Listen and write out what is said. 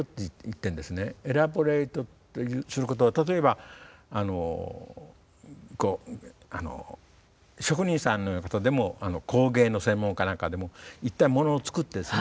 エラボレイトすること例えば職人さんのような方でも工芸の専門家なんかでもいったんものを作ってですね